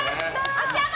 足跡？